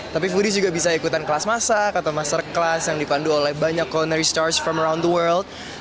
tapi foodies juga bisa ikutan kelas masak atau masterclass yang dipandu oleh banyak culinary stars from around the world